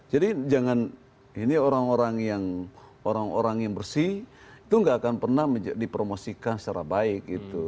jadi ini orang orang yang bersih itu gak akan pernah dipromosikan secara baik gitu